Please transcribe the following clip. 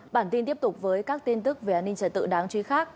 bản tin tiếp tục với các tin tức về an ninh trời tự đáng trí khác